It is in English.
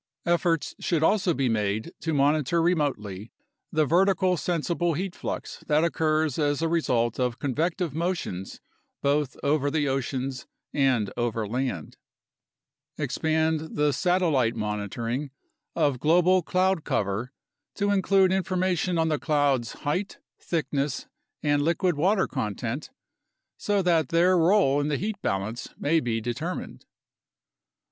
Efforts should also be made to monitor remotely the vertical sensible 74 UNDERSTANDING CLIMATIC CHANGE heat flux that occurs as a result of convective motions both over the oceans and over land. Expand the satellite monitoring of global cloud cover to include information on the clouds' height, thickness, and liquid water content, so that their role in the heat balance may be determined.